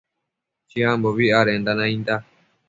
Chiambobi adenda nainda